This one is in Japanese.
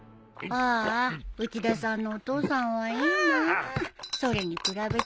ああ内田さんのお父さんはいいな。